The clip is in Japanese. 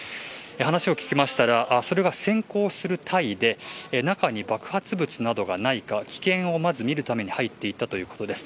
話を聞きましたらそれが先行する隊で中に爆発物がないか危険をまず見るために入っていったということです。